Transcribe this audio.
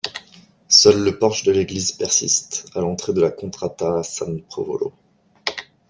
Seul le porche de l'église persiste à l'entrée de la Contrata San Provolo.